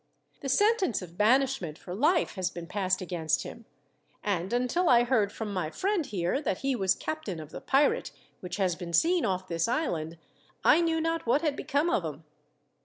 The sentence of banishment for life has been passed against him, and, until I heard from my friend here that he was captain of the pirate which has been seen off this island, I knew not what had become of him.